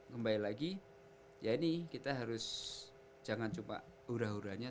kembali lagi ya ini kita harus jangan cuma hura huranya